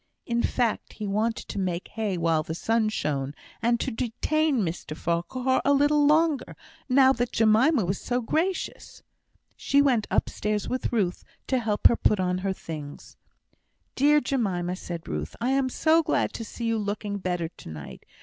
In fact, he wanted to make hay while the sun shone, and to detain Mr Farquhar a little longer, now that Jemima was so gracious. She went upstairs with Ruth to help her to put on her things. "Dear Jemima!" said Ruth, "I am so glad to see you looking better to night!